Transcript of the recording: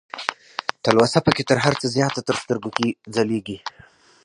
تلوسه پکې تر هر څه زياته تر سترګو ځلېږي